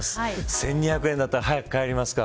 １２００円だったら早く帰りますか。